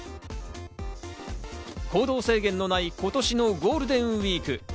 行動制限のない今年のゴールデンウイーク。